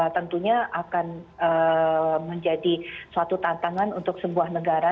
tentunya akan menjadi suatu tantangan untuk sebuah negara